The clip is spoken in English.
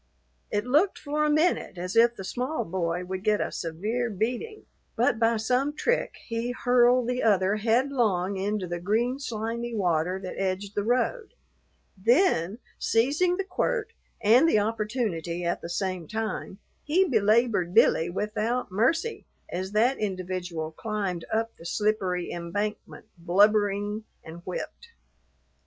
It looked for a minute as if the small boy would get a severe beating, but by some trick he hurled the other headlong into the green, slimy water that edged the road; then, seizing the quirt and the opportunity at the same time, he belabored Billy without mercy as that individual climbed up the slippery embankment, blubbering and whipped.